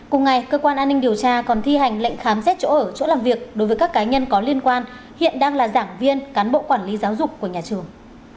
cùng ngày cơ quan an ninh điều tra còn thi hành lệnh khám xét chỗ ở chỗ làm việc đối với các cá nhân có liên quan hiện đang là giảng viên cán bộ quản lý giáo dục của nhà trường